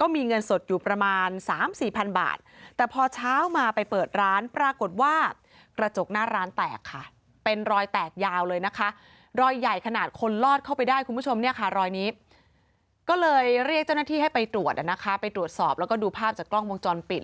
ก็เลยเรียกเจ้าหน้าที่ให้ไปตรวจนะคะไปตรวจสอบเล่าก็ดูภาพจากกล้องวงจอนปิด